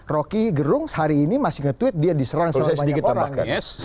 rocky gerung hari ini masih nge tweet dia diserang sebanyak orang